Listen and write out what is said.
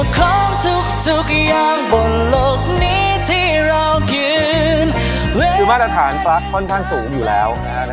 คือมาตรฐานปลั๊กค่อนข้างสูงอยู่แล้วนะฮะ